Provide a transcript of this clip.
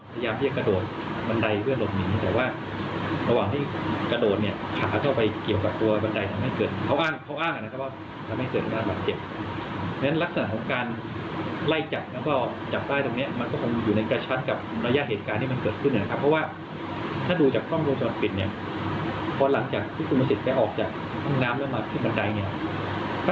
สักเดี๋ยวก็จะมีเจ้าหน้าที่อีก๒คนเนี่ยวิ่งไล่ตามมา